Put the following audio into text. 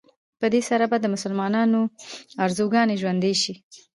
په دې سره به د مسلمانانو ارواګانې ژوندي شي.